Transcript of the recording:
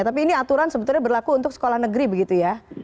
tapi ini aturan sebetulnya berlaku untuk sekolah negeri begitu ya